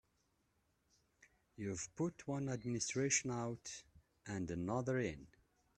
You've put one administration out and another in.